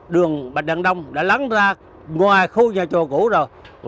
đường bạch đăng đông đã lắng ra ngoài khu nhà chùa cũ rồi